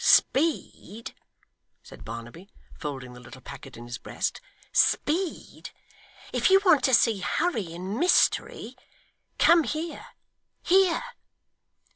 'Speed!' said Barnaby, folding the little packet in his breast, 'Speed! If you want to see hurry and mystery, come here. Here!